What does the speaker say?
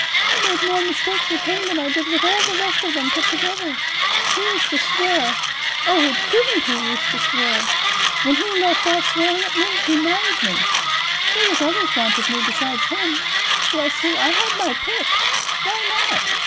I made more mistakes with him than I did with all the rest of them put together. He used to swear—oh, didn't he use to swear! When he left off swearing at me he married me. There was others wanted me besides him. Bless you, I had my pick. Why not?